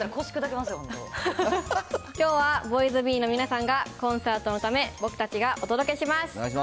きょうはＢｏｙｓｂｅの皆さんがコンサートのため、僕たちお願いします。